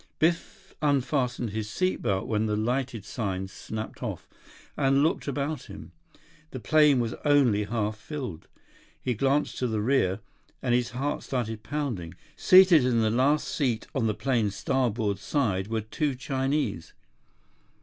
Biff unfastened his seat belt when the lighted sign snapped off, and looked about him. The plane was only half filled. He glanced to the rear, and his heart started pounding. Seated in the last seat on the plane's starboard side were two Chinese.